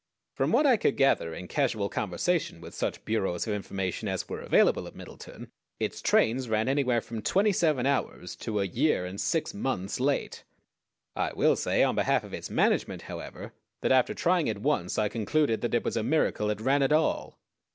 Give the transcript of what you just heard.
From what I could gather in casual conversation with such bureaus of information as were available at Middleton its trains ran anywhere from twenty seven hours to a year and six months late. I will say on behalf of its management, however, that after trying it once I concluded that it was a miracle it ran at all.